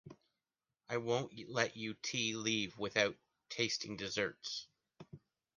I won’t let you t leave without tasting desserts